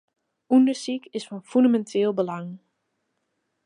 Undersyk is fan fûneminteel belang.